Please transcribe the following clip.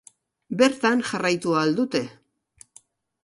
Bertan jarraitu ahal dute.